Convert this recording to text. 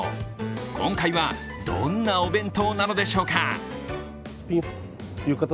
今回はどんなお弁当なのでしょうか？